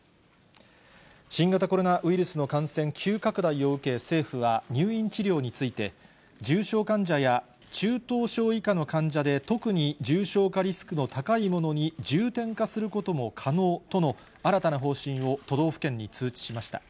新型コロナウイルスの感染急拡大を受け、政府は、入院治療について、重症患者や中等症以下の患者で、特に重症化リスクの高い者に重点化することも可能との新たな方針を都道府県に通知しました。